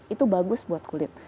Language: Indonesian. itu bagus buat kulit